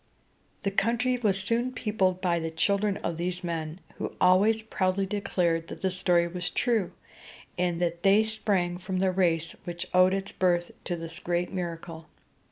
The country was soon peopled by the children of these men, who always proudly declared that the story was true, and that they sprang from the race which owed its birth to this great miracle.